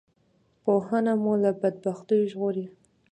پوهنه مو له بدبختیو ژغوری